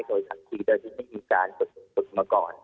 โดยทันทีโดยที่ไม่มีการฝึกมาก่อน